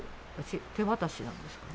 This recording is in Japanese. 手渡しなんですか。